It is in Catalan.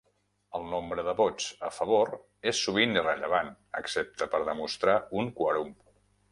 El nombre de vots a favor és sovint irrellevant, excepte per demostrar un quòrum.